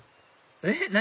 えっ何？